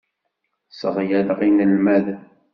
Sseɣyaleɣ inelmaden.